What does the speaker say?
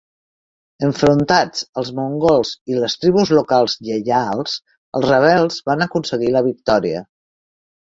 Enfrontats als mongols i les tribus locals lleials, els rebels van aconseguir la victòria.